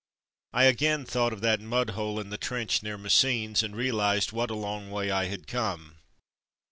I again thought of that mud hole in the trench near Messines and realized what a long way I had come.